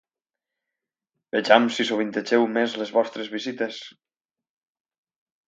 Vejam si sovintegeu més les vostres visites.